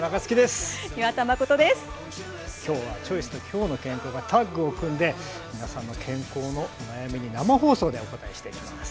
今日は「チョイス」と「きょうの健康」がタッグを組み皆さんの健康のお悩みに生放送でお答えしていきます。